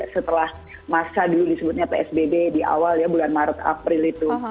setelah masa dulu disebutnya psbb di awal ya bulan maret april itu